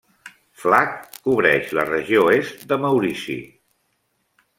Flacq cobreix la regió est de Maurici.